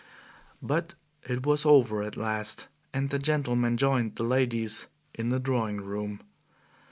But it was over at last, and the gentlemen joined the ladies in the drawing room.